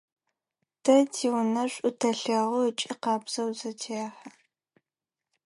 Тэ тиунэ шӏу тэлъэгъу ыкӏи къабзэу зетэхьэ.